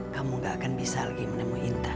kamu gak akan bisa lagi menemui intan